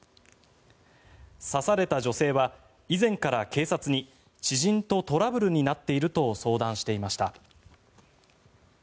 刺された女性は以前から警察に知人とトラブルになっていると相談していました。